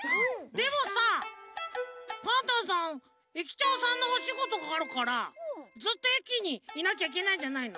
でもさパンタンさん駅長さんのおしごとがあるからずっと駅にいなきゃいけないんじゃないの？